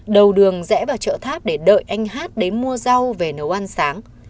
đầu đường rẽ vào chợ tháp để đợi anh hát đến mua rau về nấu ăn sáng